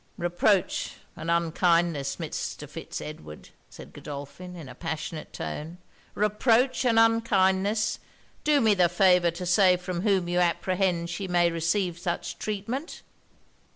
'Reproach and unkindness! Mr. Fitz Edward,' said Godolphin, in a passionate tone 'Reproach and unkindness! Do me the favour to say from whom you apprehend she may receive such treatment?'